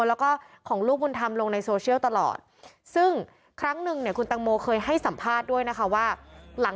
แล้วก็ของลูกบุญธรรมลงในโซเชียลตลอดซึ่งครั้งหนึ่งเนี่ยคุณตังโมเคยให้สัมภาษณ์ด้วยนะคะว่าหลัง